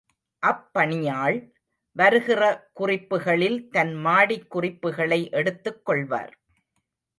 அப்பணியாள், வருகிற குறிப்புகளில் தன் மாடிக் குறிப்புகளை எடுத்துக் கொள்வார்.